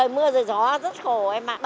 rời mưa rời gió rất khổ em ạ